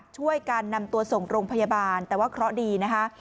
ช่วยกันนำตัวส่งโรงพยาบาลแต่ว่าเคราะห์ดีนะคะ